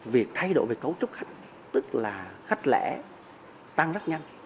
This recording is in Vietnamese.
việc thay đổi về cấu trúc khách tức là khách lẻ tăng rất nhanh